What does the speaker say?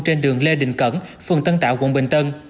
trên đường lê đình cẩn phường tân tạo quận bình tân